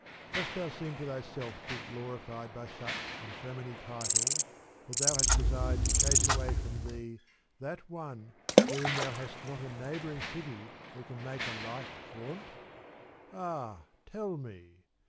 Dost thou seem to thyself to be not glorified by such and so many titles that thou hast desired to chase away from thee that one wherein thou hast not a neighbouring city that can make a like vaunt ? Ah tell me